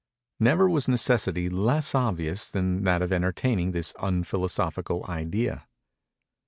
Never was necessity less obvious than that of entertaining this unphilosophical idea.